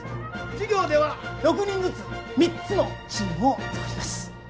授業では６人ずつ３つのチームを作ります。